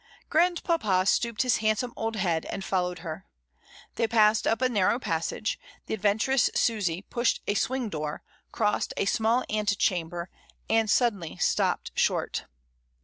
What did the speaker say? Grandpapa stooped his handsome old head, and followed her. They passed up a narrow passage, IN A GIG. 3 1 the adventurous Susy pushed a swing door, crossed a small ante chamber, and suddenly stopped short.